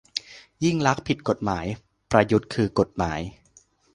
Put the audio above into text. ยิ่งลักษณ์ผิดกฎหมาย ประยุทธ์คือกฎหมาย